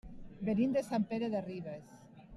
Venim de Sant Pere de Ribes.